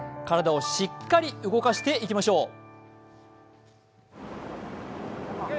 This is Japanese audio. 体をしっかり動かしていきましょう。